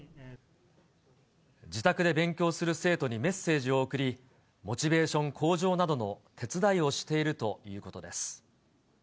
自宅で勉強する生徒にメッセージを送り、モチベーション向上などの手伝いをしているということです。